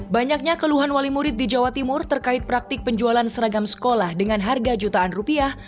banyaknya keluhan wali murid di jawa timur terkait praktik penjualan seragam sekolah dengan harga jutaan rupiah